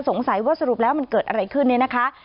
สงสัยว่าสรุปแล้วมันเกิดอะไรขึ้นเนี่ยนะคะ